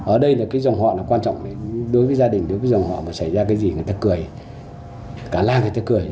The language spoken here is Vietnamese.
ở đây là cái dòng họ quan trọng đối với gia đình đối với dòng họ mà xảy ra cái gì người ta cười cả lan người ta cười